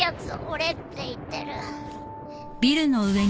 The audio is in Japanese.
俺って言ってる。